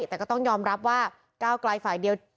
แต่ก็ต้องยอมรับว่าก้าวไกลฝ่ายเดียว